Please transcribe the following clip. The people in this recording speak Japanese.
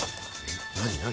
何何？